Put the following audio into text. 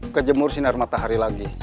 kejemur sinar matahari lagi